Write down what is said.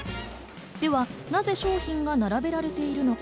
ではなぜ商品が並べられているのか。